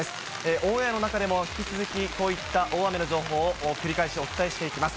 オンエアの中でも、引き続きこういった大雨の情報を繰り返しお伝えしていきます。